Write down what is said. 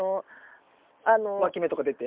わき芽とか出て？